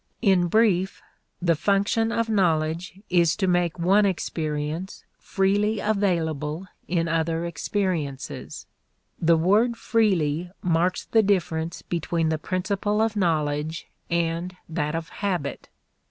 In brief, the function of knowledge is to make one experience freely available in other experiences. The word "freely" marks the difference between the principle of knowledge and that of habit.